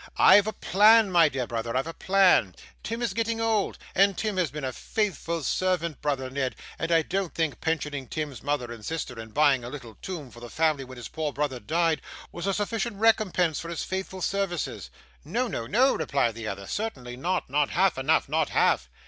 'I've a plan, my dear brother, I've a plan. Tim is getting old, and Tim has been a faithful servant, brother Ned; and I don't think pensioning Tim's mother and sister, and buying a little tomb for the family when his poor brother died, was a sufficient recompense for his faithful services.' 'No, no, no,' replied the other. 'Certainly not. Not half enough, not half.